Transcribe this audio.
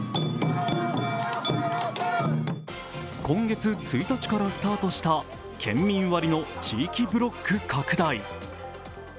今月１日からスタートした県民割の地域ブロック拡大。